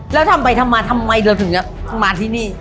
แล้วทำไปทำมาทำไมเราถึงจะมาที่นี่